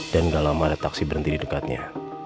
dan gak lama ada taksi berhenti di dekatnya